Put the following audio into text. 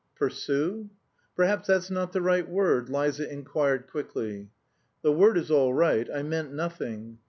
"Pursue?" "Perhaps that's not the right word?" Liza inquired quickly. "The word is all right; I meant nothing."